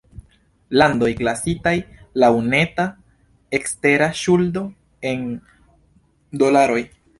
Landoj klasitaj "laŭ neta ekstera ŝuldo"', en dolaroj.